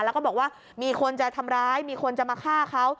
แล้วก็บอกว่ามีคนจะทำร้ายมีคนจะมาฆ่าเขา